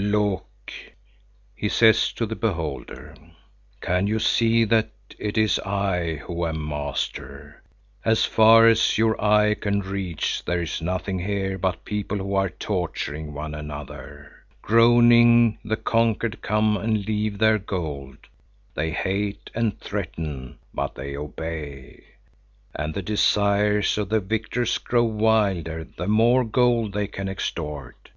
"Look," he says to the beholder, "can you see that it is I who am master? As far as your eye can reach, there is nothing here but people who are torturing one another. Groaning the conquered come and leave their gold. They hate and threaten, but they obey. And the desires of the victors grow wilder the more gold they can extort.